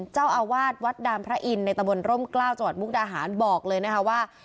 เจ้าอาวาสวัดดามพระอินทร์ในตะบนร่มกล้าวจังหวัดมุกดาหารบอกเลยนะคะว่า